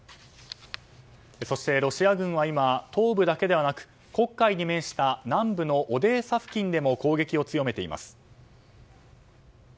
そしてロシア軍は今東部だけではなく黒海に面した南部のオデーサ付近でも攻撃を強めています。